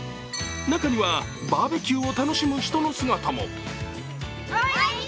中にはバーベキューを楽しむ人の姿も。